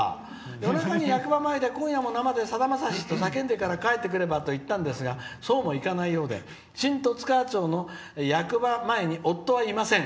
夜中に役場で「今夜も生でさだまさし」と叫んでから帰ってくればと言ったんですがそうもいかないようで新十津川町の役場前に夫はいません」